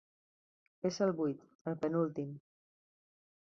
És el vuit, el penúltim.